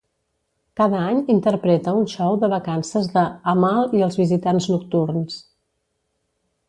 Cada any interpreta un show de vacances de "Amahl i els visitants nocturns".